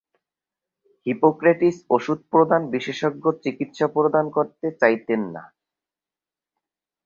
Hippocrates ওষুধ প্রদান বিশেষজ্ঞ চিকিৎসা প্রদান করতে চাইতেন না।